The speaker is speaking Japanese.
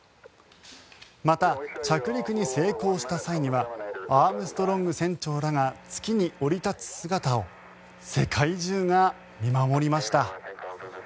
また着陸に成功した際にはアームストロング船長らが月に降り立つ姿を世界中が見守りました。